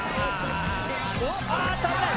ああっと危ない！